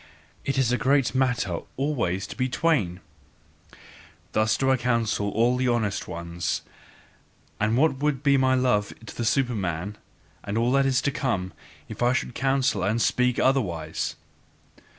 It is a great matter always to be twain." Thus do I counsel all honest ones; and what would be my love to the Superman, and to all that is to come, if I should counsel and speak otherwise!